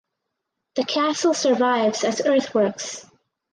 The castle survives as earthworks.